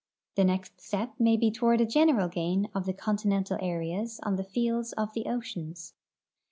The next step may be toward a general gain of the continental areas on the fields of the oceans.